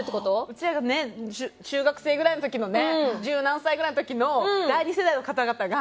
うちらがね中学生ぐらいの時のね十何歳ぐらいの時の第２世代の方々が。